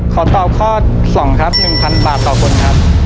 ขอตอบข้อ๒ครับ๑๐๐บาทต่อคนครับ